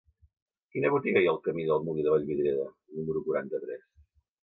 Quina botiga hi ha al camí del Molí de Vallvidrera número quaranta-tres?